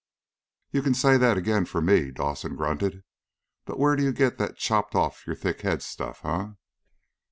"You can say that again for me!" Dawson grunted. "But where do you get that chopped off your thick head stuff, huh?"